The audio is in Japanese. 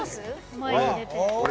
前に出て。